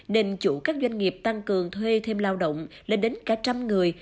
nên chủ các doanh nghiệp tăng cường thuê thêm lao động lên đến cả trăm người